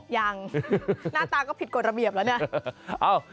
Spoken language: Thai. ยังหน้าตาก็ผิดกฎระเบียบแล้วเนี่ย